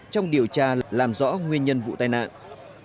trong điều tra làm rõ nguyên nhân vụ tai nạn